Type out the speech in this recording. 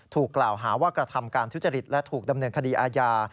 ถูกกล่าวหาว่ากระทำการทุจริตและถูกดำเนินคดีอาญา